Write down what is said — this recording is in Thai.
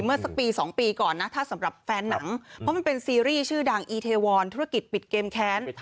เมื่อสักปี๒ปีก่อนนะถ้าสำหรับแฟนหนังเพราะมันเป็นซีรีส์ชื่อดังอีเทวอนธุรกิจปิดเกมแค้น